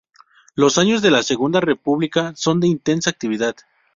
Los años de la Segunda República son de intensa actividad.